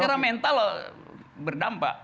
secara mental berdampak